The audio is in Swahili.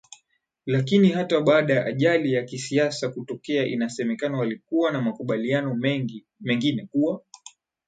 Lakini hata baada ya ajali ya kisiasa kutokea inasemekana walikuwa na makubaliano mengine kuwa